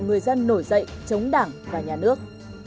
người dân nổi dậy chống đảng và nhà nước